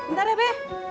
ntar ya be